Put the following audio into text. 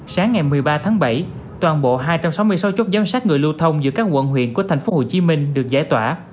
sáng ngày một mươi ba tháng bảy toàn bộ hai trăm sáu mươi sáu chốt giám sát người lưu thông giữa các quận huyện của tp hcm được giải tỏa